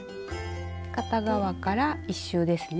片側から１周ですね。